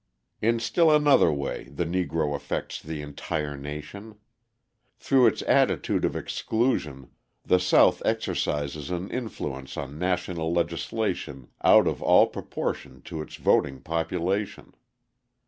In still another way the Negro affects the entire nation. Through its attitude of exclusion the South exercises an influence on national legislation out of all proportion to its voting population.